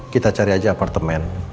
kita cari aja apartemen